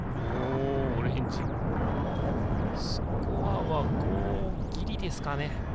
スコアは５ギリですかね？